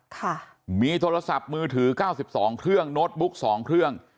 ค่ะมีโทรศัพท์มือถือเก้าสิบสองเครื่องโน้ตบุ๊กสองเครื่อง